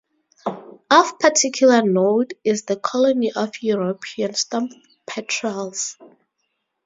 Of particular note is the colony of European storm-petrels.